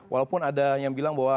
walaupun ada yang bilang bahwa